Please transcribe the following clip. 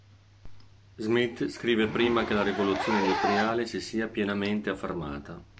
Smith scrive prima che la rivoluzione industriale si sia pienamente affermata.